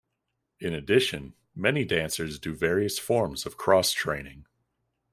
In addition, many dancers do various forms of cross training.